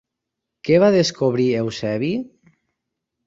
Què va descobrir Eusebi?